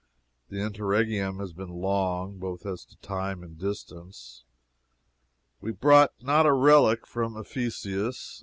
The interregnum has been long, both as to time and distance. We brought not a relic from Ephesus!